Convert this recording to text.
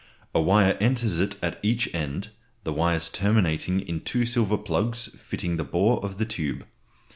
A wire enters it at each end, the wires terminating in two silver plugs fitting the bore of the tube.